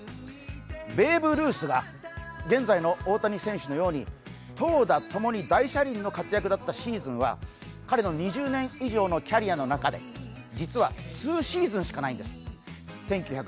ベーブ・ルースが現在の大谷選手のように投打共に大車輪の活躍だったシーズンは、彼の２０年以上のキャリアの中で実は２シーズンしかないんです。